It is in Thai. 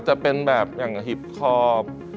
จะเป็นแบบอย่างหิบคอบ